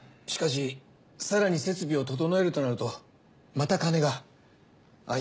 しかし更に設備を調えるとなるとまた金が。